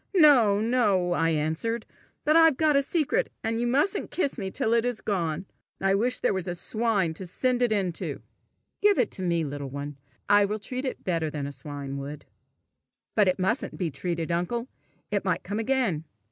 "No, no!" I answered. "But I've got a secret, and you mustn't kiss me till it is gone. I wish there was a swine to send it into!" "Give it to me, little one. I will treat it better than a swine would." "But it mustn't be treated, uncle! It might come again!"